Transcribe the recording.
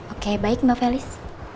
oke baik mbak felis